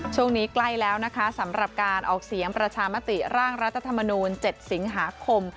ช่วงนี้ใกล้แล้วนะคะสำหรับการออกเสียงประชามติร่างรัฐธรรมนูล๗สิงหาคม